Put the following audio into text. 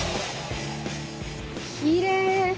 きれい！